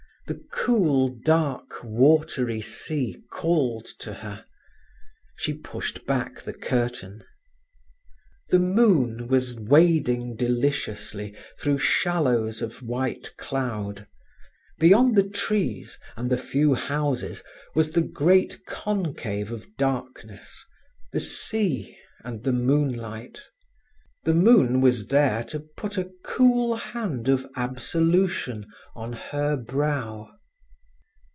The cool, dark, watery sea called to her. She pushed back the curtain. The moon was wading deliciously through shallows of white cloud. Beyond the trees and the few houses was the great concave of darkness, the sea, and the moonlight. The moon was there to put a cool hand of absolution on her brow.